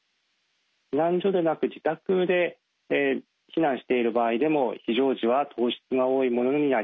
避難所でなく自宅で避難している場合でも非常時は糖質が多いものになりがちです。